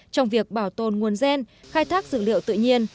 trong việc bảo tồn nguồn gen khai thác dược liệu tự nhiên